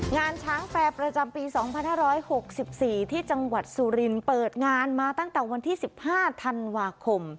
งานช้างแฟร์ประจำปีสองพันห้าร้อยหกสิบสี่ที่จังหวัดสุรินตร์เปิดงานมาตั้งแต่วันที่สิบห้าธันวาคม